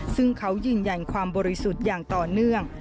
ซึ่งเขายืนยันความบริสุทธิ์อย่างต่อเนื่อง